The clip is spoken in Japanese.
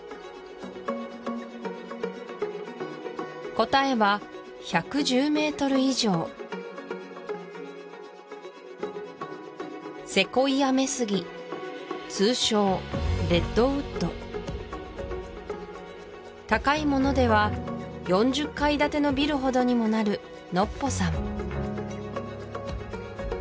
答えは１１０ｍ以上セコイアメスギ通称レッドウッド高いものでは４０階建てのビルほどにもなるのっぽさん